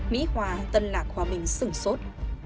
mỹ hòa tân lạc hòa bình sừng sốt